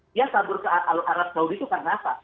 dia kabur ke arab saudi itu karena apa